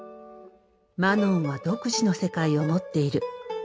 マノンは独自の世界を持っている。